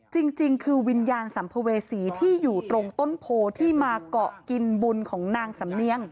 จริงคือวิญญาณสัมภเวษีที่อยู่ตรงต้นโพที่มาเกาะกินบุญของนางสำเนียง